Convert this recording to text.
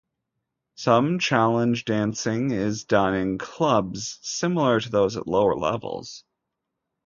Some Challenge dancing is done in clubs similar to those at lower levels.